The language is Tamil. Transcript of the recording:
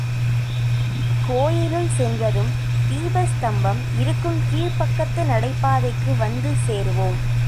கோயிலுள் சென்றதும் தீபஸ்தம்பம் இருக்கும் கீழ்பக்கத்து நடைபாதைக்கு வந்து சேருவோம்.